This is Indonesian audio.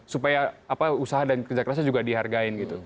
supaya usaha dan kejageraan saya juga dihargai gitu